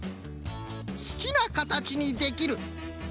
「すきなかたちにできる」。